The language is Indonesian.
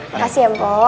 makasih ya mpo